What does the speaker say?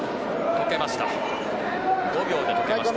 解けました。